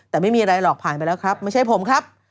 แต่ไม่มีอะไรหรอกผ่านไปแล้วครับไม่ใช่ผมครับ